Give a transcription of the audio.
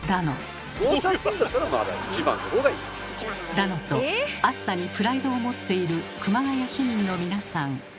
だのと暑さにプライドを持っている熊谷市民の皆さん。